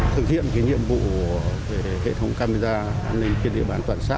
thực hiện cái nhiệm vụ về hệ thống cam an ninh trên địa bàn toàn xã